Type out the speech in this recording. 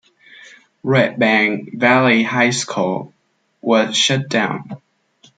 Redbank Valley High School was shut down.